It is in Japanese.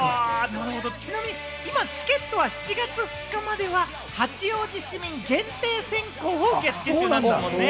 ちなみに今、チケットは７月２日までは八王子市民限定先行を受付中なんですよね。